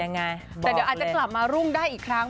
แต่เดี๋ยวอาจจะกลับมารุ่งได้อีกครั้ง